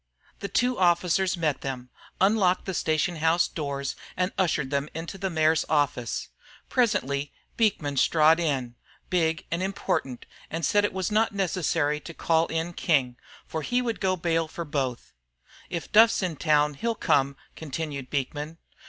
The two officers met them, unlocked the station house doors, and ushered them into the mayor's office. Presently Beekman strode in, big and important, and said it was not necessary to call in King, for he would go bail for both. "If Duff's in town he'll come," continued Beekman.